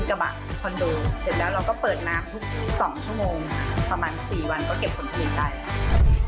เสร็จแล้วเราก็เปิดน้ำทุก๒ชั่วโมงประมาณ๔วันก็เก็บผลผลิตได้